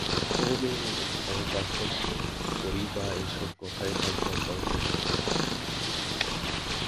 ও মেয়েমানুষ, ঘরের কাজকর্ম করবে, ওরই বা এ-সব কথায় থাকবার দরকার কী?